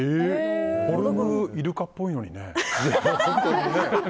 フォルム、イルカっぽいのにね。